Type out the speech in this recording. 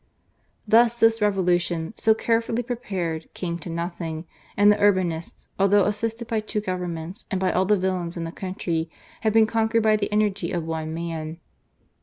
Thus this Revolution, so carefully prepared, came to nothing, and the Urbinists, although assisted by two Governments and by all the villains in the country, had been conquered ' by the energy of one man.